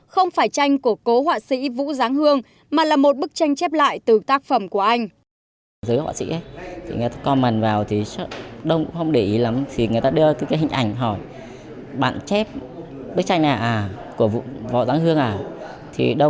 không phải tranh của cố họa sĩ vũ giáng hương mà là một bức tranh chép lại từ tác phẩm của anh